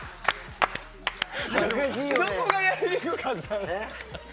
どこがやりにくかったんですか？